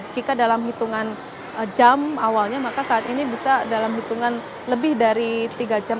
jika dalam hitungan jam awalnya maka saat ini bisa dalam hitungan lebih dari tiga jam